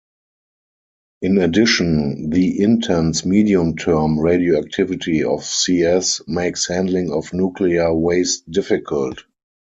In addition, the intense medium-term radioactivity of Cs makes handling of nuclear waste difficult.